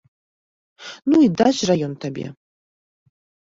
Ну і дасць жа ён табе!